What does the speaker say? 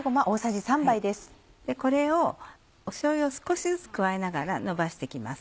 これをしょうゆを少しずつ加えながらのばして行きます。